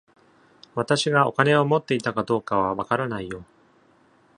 私がお金を持っていたかどうかはわからないよ。